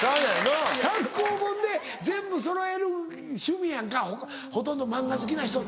単行本で全部そろえる趣味やんかほとんど漫画好きな人って。